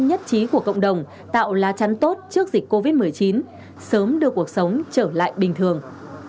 nhất trí của cộng đồng tạo lá chắn tốt trước dịch covid một mươi chín sớm đưa cuộc sống trở lại bình thường